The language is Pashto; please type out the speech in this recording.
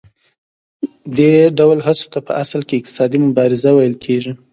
دې ډول هڅو ته په اصل کې اقتصادي مبارزه ویل کېږي